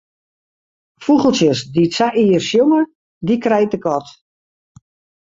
Fûgeltsjes dy't sa ier sjonge, dy krijt de kat.